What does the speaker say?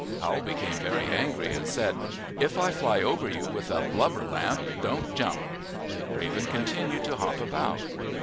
Owl became very angry and said, " If I fly over you with a blubber lamp, don't jump/' Raven continued to hop about.